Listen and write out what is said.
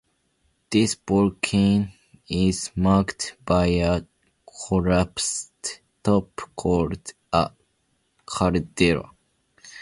This volcano is marked by a collapsed top, called a caldera.